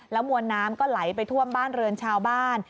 มวลน้ำก็ไหลไปท่วมบ้านเรือนชาวบ้าน